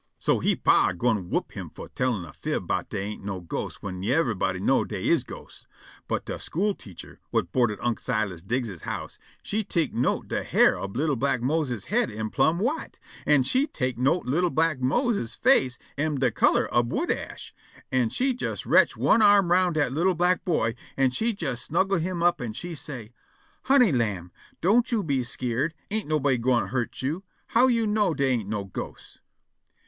So he pa gwine whop him fo' tellin' a fib 'bout dey ain' no ghosts whin yiver'body know' dey is ghosts; but de school teacher, whut board at Unc' Silas Diggs's house, she tek' note de hair ob li'l' black Mose's head am plumb white, an' she tek' note li'l' black Mose's face am de color ob wood ash, so she jes retch' one arm round dat li'l' black boy, an' she jes snuggle' him up, an' she say': "Honey lamb, don't you be skeered; ain' nobody gwine hurt you. How you know dey ain't no ghosts?"